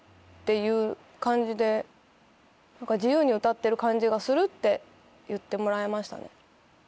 いう感じで何か自由に歌ってる感じがするって言ってもらえましたね。